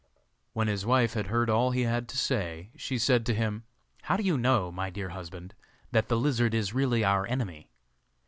When his wife had heard all he had to say, she said to him: 'How do you know, my dear husband, that the lizard is really our enemy?